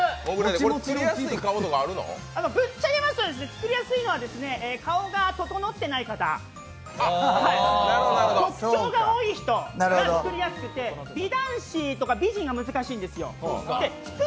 作りやすいのは顔が整ってない、特徴が多い人が作りやすくて美男子とか美人が難しいんですよ。